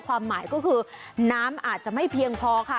ความหมายก็คือน้ำอาจจะไม่เพียงพอค่ะ